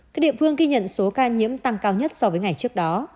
các địa phương ghi nhận số ca nhiễm tăng cao nhất so với ngày trước đó